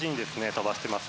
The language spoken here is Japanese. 飛ばしてます。